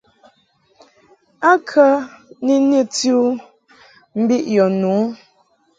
A kə ni nɨti u mbiʼ yɔ nu ?